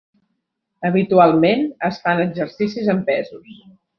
Habitualment, es fan exercicis amb pesos.